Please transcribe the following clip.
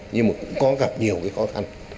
nhưng mà cũng có gặp nhiều cái khó khăn